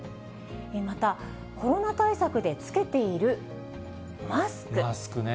またコロナ対策で着けているマスク。